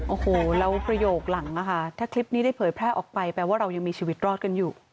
โอ้โหแล้วประโยคหลังนะคะถ้าคลิปนี้ได้เผยแพร่ออกไปแปลว่าเรายังมีชีวิตรอดกันอยู่